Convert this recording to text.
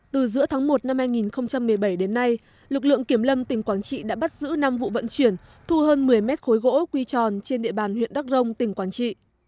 từ giữa tháng một năm hai nghìn một mươi bảy đến nay lực lượng kiểm lâm tỉnh quảng trị đã bắt giữ năm vụ vận chuyển thu hơn một mươi mét khối gỗ quy tròn trên địa bàn huyện đắk rông tỉnh quảng trị